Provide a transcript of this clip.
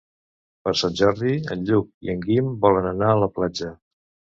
Per Sant Jordi en Lluc i en Guim volen anar a la platja.